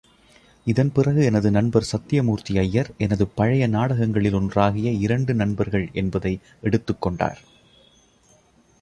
இதன் பிறகு எனது நண்பர் சத்தியமூர்த்தி ஐயர், எனது பழைய நாடகங்களிலொன்றாகிய இரண்டு நண்பர்கள் என்பதை எடுத்துக் கொண்டார்.